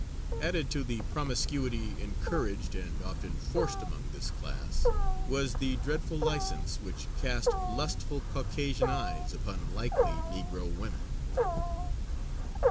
Added to the promiscuity encouraged and often forced among this class, was the dreadful license which cast lustful Caucasian eyes upon "likely" Negro women.